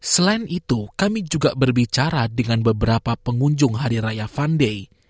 selain itu kami juga berbicara dengan beberapa pengunjung hari raya fun day